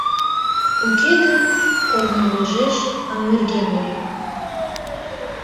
Уке гын корнывожеш аҥыргем ыле.